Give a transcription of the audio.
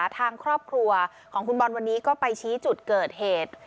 ทางครอบครัวของคุณบอลวันนี้ก็ไปชี้จุดเกิดเหตุ